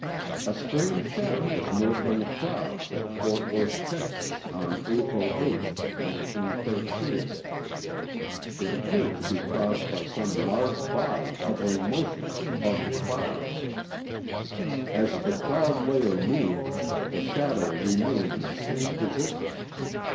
A strange shadow was noted on the clouds at Fort Worth, Texas, on April 8, 19, 3. It appeared to be caused by some large body hovering motionless above the clouds. As the cloud layer moved, the shadow remained in the same position.